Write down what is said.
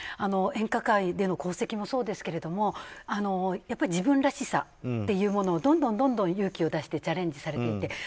演歌界での功績もそうですけれどやっぱり自分らしさというものをどんどん勇気を出してチャレンジされていて。